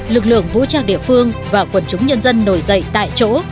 lực lượng vũ trang địa phương và quần chúng nhân dân nổi dậy tại chỗ